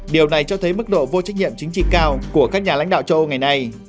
điều này cho thấy mức độ vô trách nhiệm chính trị cao của các nhà lãnh đạo châu âu ngày nay